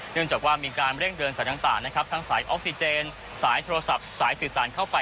เนื่องจากว่ามีการเร่งเดินสายต่างนะครับทั้งสายออกซิเจนสายโทรศัพท์สายสื่อสารเข้าไป